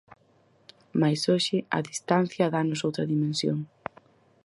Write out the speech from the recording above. Mais hoxe, a distancia dános outra dimensión.